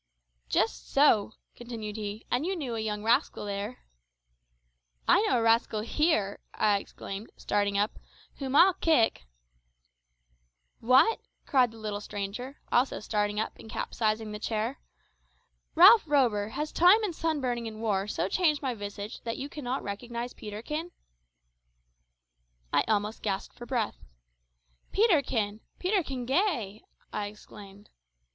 "Just so," continued he, "and you knew a young rascal there " "I know a rascal here," I exclaimed, starting up, "whom I'll kick " "What!" cried the little stranger, also starting up and capsizing the chair; "Ralph Rover, has time and sunburning and war so changed my visage that you cannot recognise Peterkin?" I almost gasped for breath. "Peterkin Peterkin Gay!" I exclaimed.